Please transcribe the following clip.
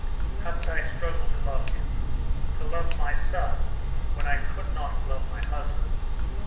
Haven't I struggled to love him, to love my son when I could not love my husband?